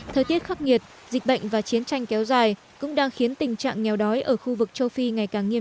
thời tiết khắc nghiệt dịch bệnh và chiến tranh kéo dài cũng đang khiến tình trạng nghèo đói ở khu vực châu phi